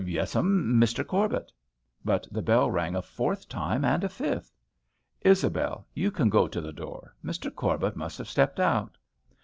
"Yes 'm, Mr. Corbet." But the bell rang a fourth time, and a fifth. "Isabel, you can go to the door. Mr. Corbet must have stepped out."